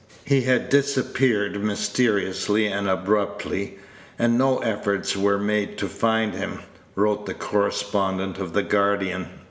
"He had disappeared mysteriously and abruptly, and no efforts were made to find him," wrote the correspondent of the Guardian.